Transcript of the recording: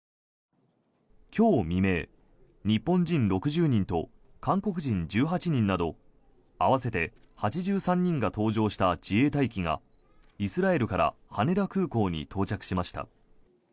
今日未明、日本人６０人と韓国人１８人など合わせて８３人が搭乗した自衛隊機がイスラエルから羽田空港に到着しました。